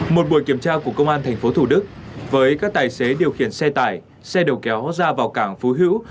một buổi kiểm tra của công an tp thủ đức với các tài xế điều khiển xe tải xe đầu kéo ra vào cảng phú hữu